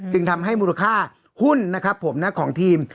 จึงทำให้มูลค่าหุ้นของทีม